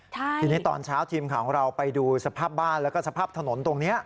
ทีนี้ตอนเช้าทีมข่าวของเราไปดูสภาพบ้านแล้วก็สภาพถนนตรงนี้